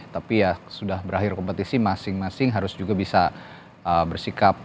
tapi ya sudah berakhir kompetisi masing masing harus juga bisa bersikap